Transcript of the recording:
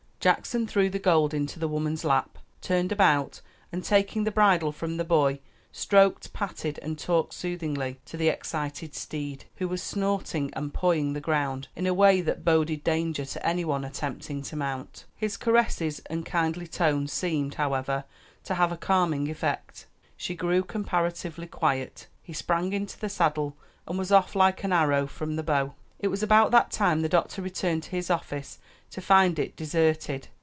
Jackson threw the gold into the woman's lap, turned about and taking the bridle from the boy, stroked, patted, and talked soothingly to the excited steed, who was snorting and pawing the ground in a way that boded danger to any one attempting to mount. His caresses and kindly tones seemed, however, to have a calming effect; she grew comparatively quiet, he sprang into the saddle and was off like an arrow from the bow. It was about that time the doctor returned to his office to find it deserted.